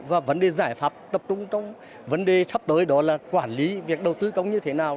và vấn đề giải pháp tập trung trong vấn đề sắp tới đó là quản lý việc đầu tư công như thế nào